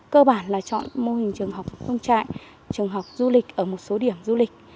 cơ bản là chọn mô hình trường học công trại trường học du lịch ở một số điểm du lịch